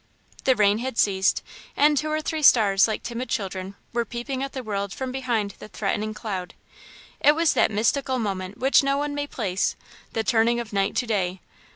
The rain had ceased, and two or three stars, like timid children, were peeping at the world from behind the threatening cloud. It was that mystical moment which no one may place the turning of night to day.